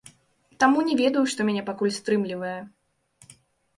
Таму, не ведаю, што мяне пакуль стрымлівае.